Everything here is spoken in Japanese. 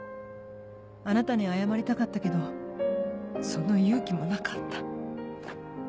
あなたに謝りたかったけどその勇気もなかった」。